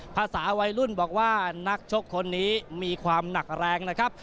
ภาษาวัยรุ่นบอกว่านักชกคนนี้มีความหนักแรงนะครับ